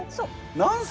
何歳？